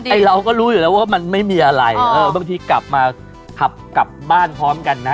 เราก็รู้อยู่แล้วว่ามันไม่มีอะไรเออบางทีกลับมาขับกลับบ้านพร้อมกันนะ